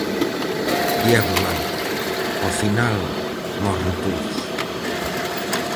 Diego Blanco "Ó final morren todos".